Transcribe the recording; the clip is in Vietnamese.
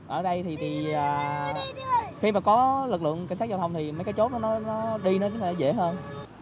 ở đây thì khi mà có lực lượng cảnh sát giao thông thì mấy cái chốt nó đi nó sẽ dễ hơn